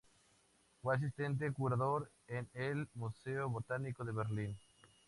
Fue asistente curador en el "Museo botánico de Berlín".